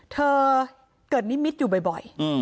เธอเกิดนิมิตรอยู่บ่อย